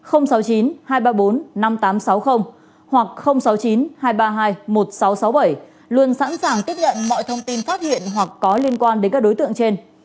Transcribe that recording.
hoặc sáu mươi chín hai trăm ba mươi hai một nghìn sáu trăm sáu mươi bảy luôn sẵn sàng tiếp nhận mọi thông tin phát hiện hoặc có liên quan đến các đối tượng trên